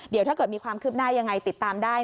เดี๋ยวถ้าเกิดมีความคืบหน้ายังไงติดตามได้